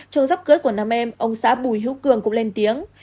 chồng sắp cưới của nam em ông xã bùi hiếu cường cũng lên tiếng